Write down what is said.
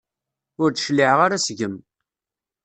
Ur d-cliɛeɣ ara seg-m.